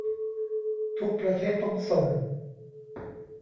ทุกประเทศต้องส่ง